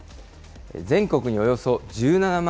全国におよそ１７万